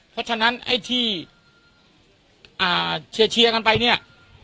เพราะฉะนั้นไอ้ที่เชียร์กันไปเนี่ย